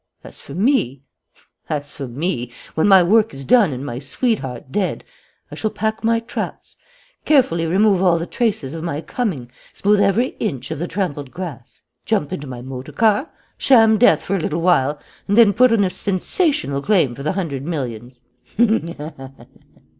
"As for me as for me, when my work is done and my sweetheart dead I shall pack my traps, carefully remove all the traces of my coming, smooth every inch of the trampled grass, jump into my motor car, sham death for a little while, and then put in a sensational claim for the hundred millions."